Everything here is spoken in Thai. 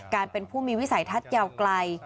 การเป็นผู้มีวิสัยทัศน์ยาวไกล